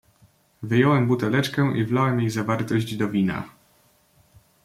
"Wyjąłem buteleczkę i wlałem jej zawartość do wina."